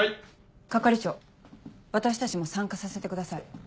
係長私たちも参加させてください。